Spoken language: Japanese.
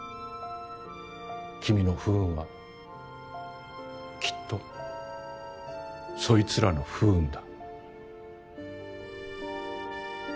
君の不運はきっとそいつらの不運だ。